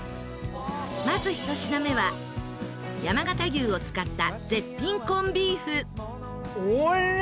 まず１品目は山形牛を使った絶品コンビーフ。